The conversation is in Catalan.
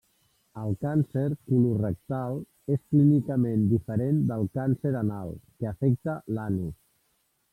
El càncer colorectal és clínicament diferent del càncer anal, que afecta l'anus.